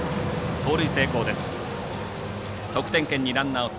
盗塁成功です。